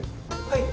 はい！